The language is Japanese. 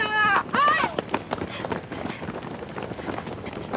はい！